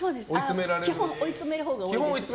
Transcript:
基本追いつめるほうが多い。